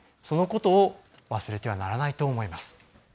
そのことを忘れてはならないと思います。